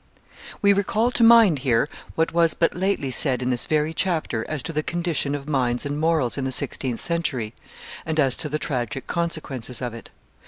We recall to mind here what was but lately said in this very chapter as to the condition of minds and morals in the sixteenth century, and as to the tragic consequences of it.